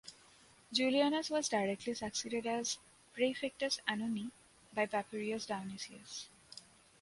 Julianus was directly succeeded as "praefectus annonae" by Papirius Dionysius.